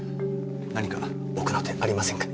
何か奥の手ありませんか？